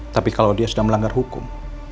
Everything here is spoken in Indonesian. tapi kalau dia sudah melanggar hukum